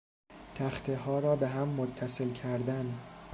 تخته ها را بهم متصل کردن